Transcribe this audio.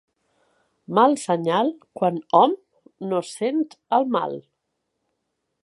Mal senyal quan hom no sent el mal.